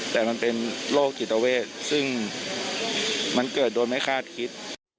แต่มันเป็นโรคจิตเวทซึ่งมันเกิดโดยไม่คาดคิด